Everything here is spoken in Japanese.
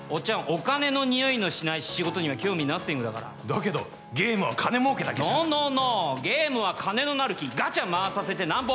お金の匂いのしない仕事には興味ナッシングだからだけどゲームは金儲けだけじゃノンノンノンゲームは金の成る木ガチャ回させてなんぼ